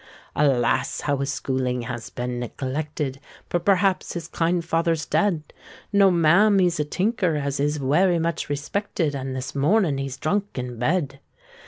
—" "Alas! how his schooling has been neglected! But perhaps his kind father's dead?—" "No, ma'am; he's a tinker as is wery much respected And this mornin' he's drunk in bed.